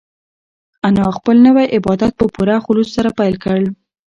انا خپل نوی عبادت په پوره خلوص سره پیل کړ.